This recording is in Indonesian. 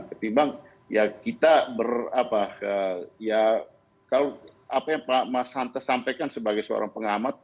ketimbang ya kita berapa ya kalau apa yang pak mas hanta sampaikan sebagai seorang pengamat